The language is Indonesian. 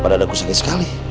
berana udah aku sakit sekali